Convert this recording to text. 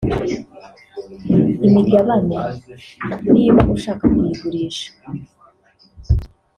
Imigabane niba ushaka kuyigurisha